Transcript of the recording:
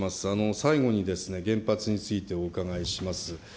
最後にですね、原発についてお伺いします。